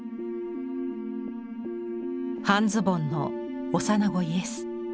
半ズボンの幼子イエス。